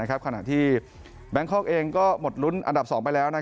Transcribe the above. ขณะที่แบงคอกเองก็หมดลุ้นอันดับ๒ไปแล้ว